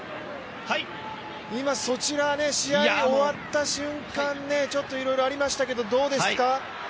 今そちら、試合終わった瞬間、ちょっといろいろありましたけれどもどうですか？